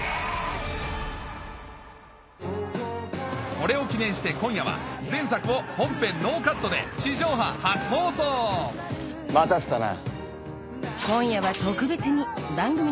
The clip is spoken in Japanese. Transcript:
これを記念して今夜は前作を本編ノーカットで地上波初放送待たせたな。